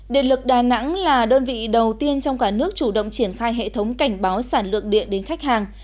điện lực đà nẵng là đơn vị đầu tiên trong cả nước chủ động triển khai hệ thống cảnh báo sản lượng điện đến khách hàng